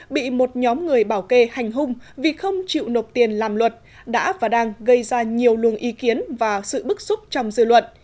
bị một nhóm người bảo kê hành hung vì không chịu nộp tiền làm luật đã và đang gây ra nhiều luồng ý kiến và sự bức xúc trong dư luận